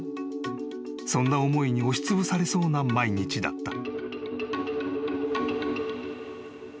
［そんな思いに押しつぶされそうな毎日だった］